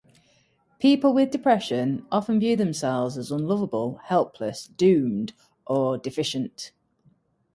People with depression often view themselves as unlovable, helpless, doomed or deficient.